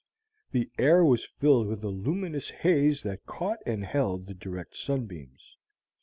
The air was filled with a luminous haze that caught and held the direct sunbeams.